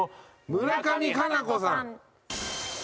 村上佳菜子さん！